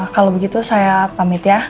kalau begitu saya pamit ya